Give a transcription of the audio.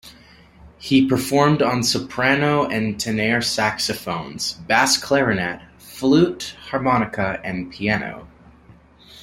He performed on soprano and tenor saxophones, bass clarinet, flute, harmonica and piano.